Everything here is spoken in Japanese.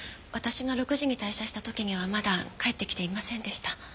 私が６時に退社した時にはまだ帰ってきていませんでした。